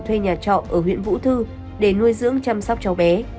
thuê nhà trọ ở huyện vũ thư để nuôi dưỡng chăm sóc cháu bé